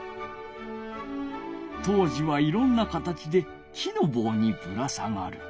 当時はいろんな形で木の棒にぶら下がる。